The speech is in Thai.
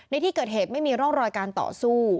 ในที่เกิดเหตุไม่มีร่องรอยการต่อสู้